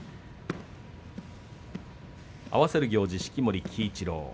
合わせる行司、式守鬼一郎。